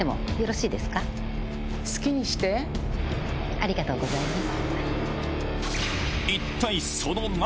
ありがとうございます。